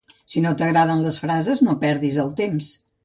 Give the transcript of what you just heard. Si no t'agraden les frases, no perdis el temps.